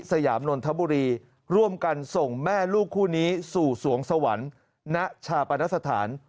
ยามนนทบุรีร่วมกันส่งแม่ลูกคู่นี้สู่สวงสวรรค์ณชาปนสถาน